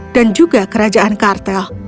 dan juga kerajaan kartel